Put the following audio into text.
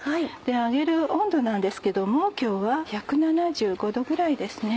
揚げる温度なんですけども今日は１７５℃ぐらいですね。